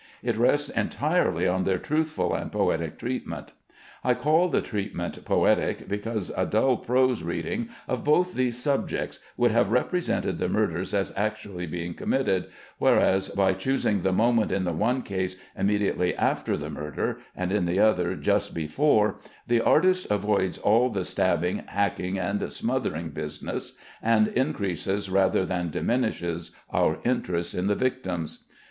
It rests entirely on their truthful and poetic treatment. I call the treatment "poetic," because a dull prose reading of both these subjects would have represented the murders as actually being committed, whereas by choosing the moment in the one case immediately after the murder, and in the other just before, the artist avoids all the stabbing, hacking, and smothering business, and increases rather than diminishes our interest in the victims.